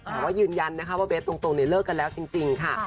แต่ว่ายืนยันนะคะว่าเบสตรงเนี่ยเลิกกันแล้วจริงค่ะ